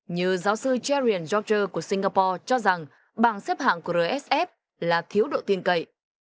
như giáo sư jerrian george của singapore cho rằng bảng xếp hạng của rsf là thiếu độ tiền cậy